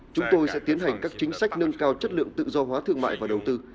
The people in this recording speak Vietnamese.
chúng tôi sẽ tiến hành các chính sách nâng cao chất lượng tự do hóa thương mại và đầu tư